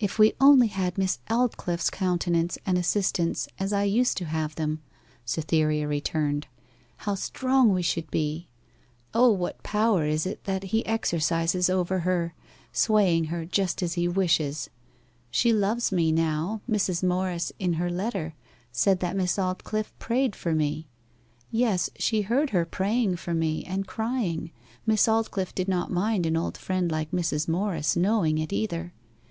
'If we only had Miss Aldclyffe's countenance and assistance as I used to have them,' Cytherea returned, 'how strong we should be! O, what power is it that he exercises over her, swaying her just as he wishes! She loves me now. Mrs. Morris in her letter said that Miss Aldclyffe prayed for me yes, she heard her praying for me, and crying. Miss Aldclyffe did not mind an old friend like Mrs. Morris knowing it, either.